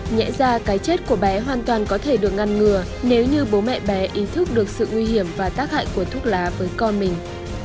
nhẹ ra cái chết của bé hoàn toàn có thể được ngăn ngừa nếu như bố mẹ bé ý thức được sự nguy hiểm và tác hại của thuốc lá với con mình